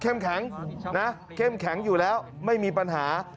แข็งนะเข้มแข็งอยู่แล้วไม่มีปัญหา